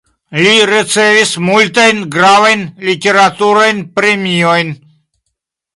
Li ricevis multajn gravajn literaturajn premiojn.